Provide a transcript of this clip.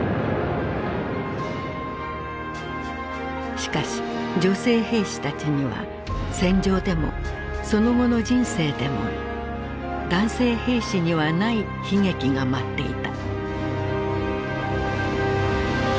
しかし女性兵士たちには戦場でもその後の人生でも男性兵士にはない悲劇が待っていた。